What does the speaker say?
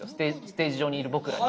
ステージ上にいる僕らに。